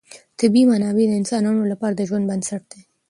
طبیعي منابع د انسانانو لپاره د ژوند بنسټ دی.